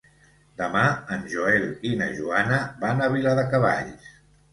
Demà en Joel i na Joana van a Viladecavalls.